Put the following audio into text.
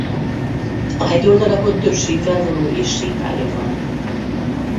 A hegyoldalakon több sífelvonó és sípálya van.